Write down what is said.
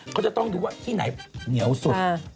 เขาจะต้องดูว่าที่ไหนเหนียวสุด